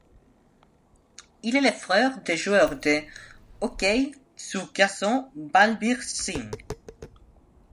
Il est le frère du joueur de hockey sur gazon Balbir Singh.